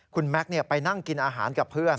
คุณแม็กซ์ไปนั่งกินอาหารกับเพื่อน